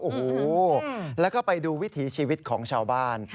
โอ้โหแล้วก็ไปดูวิถีชีวิตของชาวบ้าน